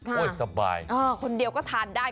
สบายคนเดียวก็ทานได้